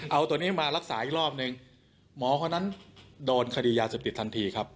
เอาตัวนี้มารักษาอีกรอบนึงหมอคนนั้นโดนคดียาเสพติดทันทีครับ